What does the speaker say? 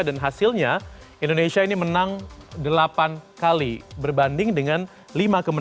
dan hasilnya indonesia ini menang delapan kali berbanding dengan lima kemenangan